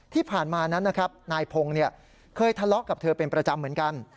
ที่ผ่านมานั้นนะครับนายพงศ์เคยทะเลาะกับเธอเป็นประจำเหมือนกัน